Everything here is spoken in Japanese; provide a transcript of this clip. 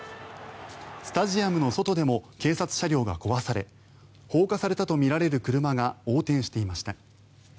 スタジアムの外でも警察車両が壊され放火されたとみられる車が横転していました。